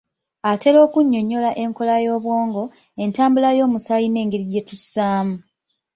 Atera okunnyonyola enkola y'obwongo, entambula y'omusaayi n'engeri gye tussaamu.